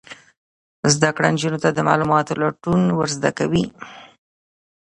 زده کړه نجونو ته د معلوماتو لټون ور زده کوي.